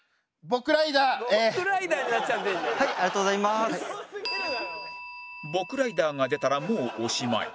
「ぼくライダー」が出たらもうおしまい